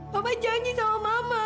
bapak janji sama mama